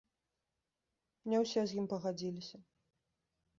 Не ўсе з ім пагадзіліся.